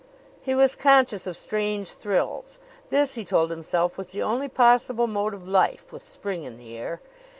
He was conscious of strange thrills. This, he told himself, was the only possible mode of life with spring in the air.